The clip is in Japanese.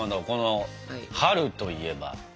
この春といえば。